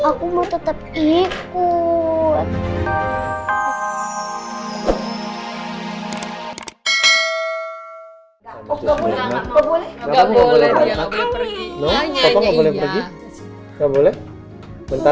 aku mau tetap ikut